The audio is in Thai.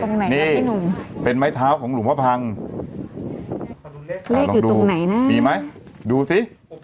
ตรงไหนนี่พี่หนุ่มเป็นไม้เท้าของหลวงพ่อพังเลขอยู่ตรงไหนนะมีไหมดูสิ